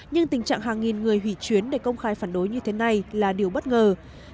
nhưng tình trạng hàng nghìn người hủy chuyến để công khai phản đối như thế này là điều bất ngờ